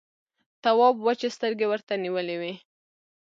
تواب وچې سترګې ورته نيولې وې…